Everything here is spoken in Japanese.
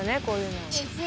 こういうの。